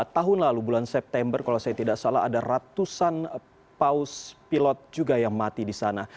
tahun lalu bulan september kalau saya tidak salah ada ratusan paus pilot juga yang mati di sana